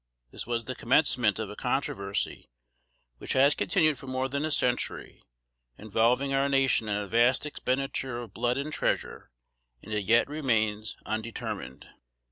This was the commencement of a controversy which has continued for more than a century, involving our nation in a vast expenditure of blood and treasure, and it yet remains undetermined.